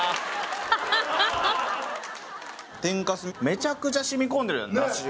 めちゃくちゃ染み込んでるやん出汁